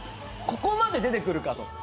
ここまで出てくるかと。